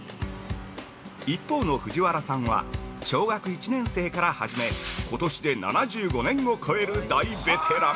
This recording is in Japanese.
一方の藤原さんは、小学１年生から始め、今年で７５年を超える大ベテラン。